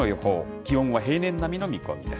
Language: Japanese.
気温は平年並みの見込みです。